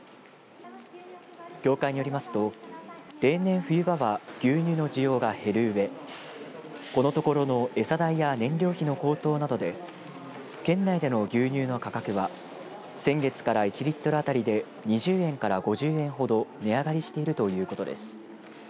協会によりますと例年、冬場は牛乳の需要が減るうえこのところの餌代や燃料費の高騰などで県内での牛乳の価格は先月から１リットル当たりで２０円から５０円ほど値上がりしているということです。